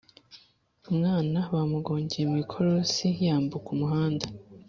Umwana bamugongeye mwikorosi yambuka umuhanda